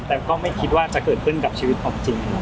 แต่ก็ไม่คิดว่าจะเกิดขึ้นกับชีวิตความจริง